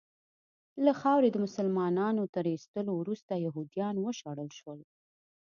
له خاورې د مسلنانو تر ایستلو وروسته یهودیان وشړل شول.